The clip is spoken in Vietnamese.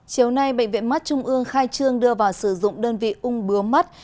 chiều nay bệnh viện mắt trung ương khai trương đưa vào sử dụng đơn vị ung bứu mắt